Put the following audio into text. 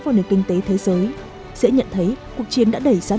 vào nền kinh tế thế giới sẽ nhận thấy cuộc chiến đã đẩy giá